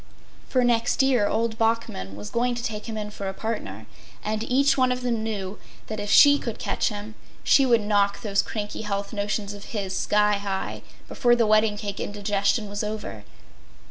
For, next year old Bachman was going to take him in for a partner. And each one of them knew that if she should catch him she would knock those cranky health notions of his sky high before the wedding cake indigestion was over.